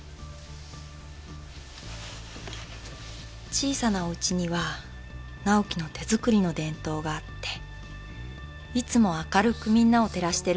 小さなおウチには直季の手作りの電灯があっていつも明るくみんなを照らしてるの。